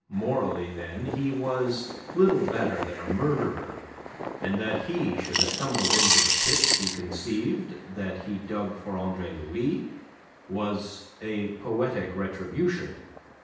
Morally, then, he was little better than a murderer, and that he should have tumbled into the pit he conceived that he dug for Andre Louis was a poetic retribution.